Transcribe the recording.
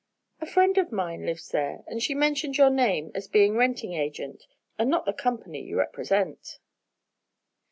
"A friend of mine lives there and she mentioned your name as being renting agent, and not the company you represent."